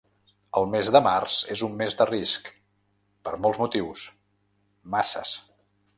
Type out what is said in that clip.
El mes de març és un mes de risc, per molts motius, masses.